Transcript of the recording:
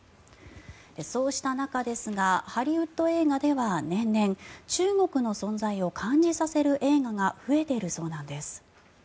そうした中ですがハリウッド映画では年々中国の存在を感じさせる映画が増えているそうなんです。